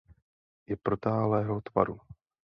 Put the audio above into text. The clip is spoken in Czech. Je protáhlého tvaru.